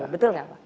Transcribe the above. betul nggak pak